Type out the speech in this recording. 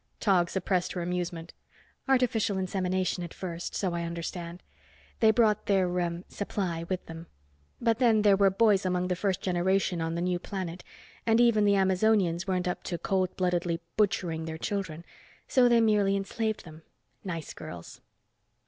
Tog suppressed her amusement. "Artificial insemination, at first, so I understand. They brought their, ah, supply with them. But then there were boys among the first generation on the new planet and even the Amazonians weren't up to cold bloodedly butchering their children. So they merely enslaved them. Nice girls."